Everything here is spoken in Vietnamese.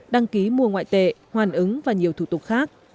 đăng ký mua ngoại tệ hoàn ứng và nhiều thủ tục khác